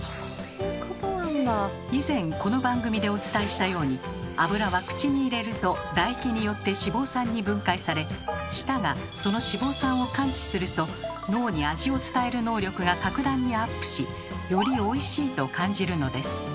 以前この番組でお伝えしたように脂は口に入れると唾液によって脂肪酸に分解され舌がその脂肪酸を感知すると脳に味を伝える能力が格段にアップしより「おいしい」と感じるのです。